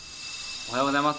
おはようございます。